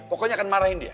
pokoknya akan marahin dia